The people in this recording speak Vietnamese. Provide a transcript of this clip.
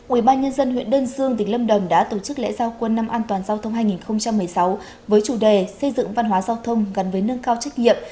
ubnd huyện đơn dương tỉnh lâm đồng đã tổ chức lễ giao quân năm an toàn giao thông hai nghìn một mươi sáu với chủ đề xây dựng văn hóa giao thông gắn với nâng cao trách nhiệm